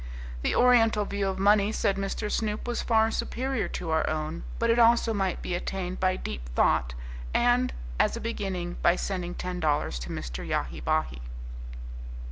The Oriental view of money, said Mr. Snoop, was far superior to our own, but it also might be attained by deep thought, and, as a beginning, by sending ten dollars to Mr. Yahi Bahi.